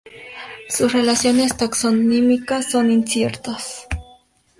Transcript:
Sus relaciones taxonómicas son inciertas.